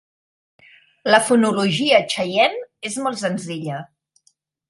La fonologia xeiene és molt senzilla.